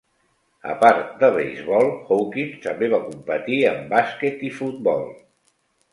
A part de beisbol, Hawkins també va competir en bàsquet i futbol.